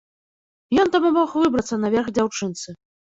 Ён дапамог выбрацца наверх дзяўчынцы.